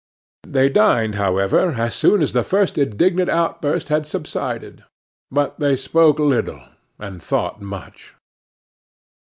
They dined, however, as soon as the first indignant outburst had subsided; but they spoke little and thought much.